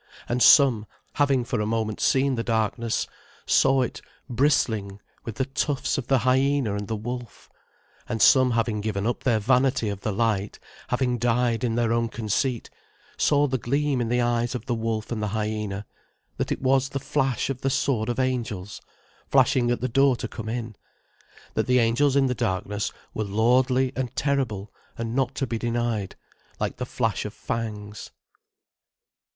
And some, having for a moment seen the darkness, saw it bristling with the tufts of the hyena and the wolf; and some having given up their vanity of the light, having died in their own conceit, saw the gleam in the eyes of the wolf and the hyena, that it was the flash of the sword of angels, flashing at the door to come in, that the angels in the darkness were lordly and terrible and not to be denied, like the flash of fangs.